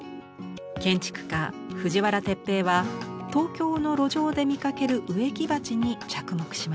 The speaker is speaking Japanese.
建築家藤原徹平は東京の路上で見かける植木鉢に着目しました。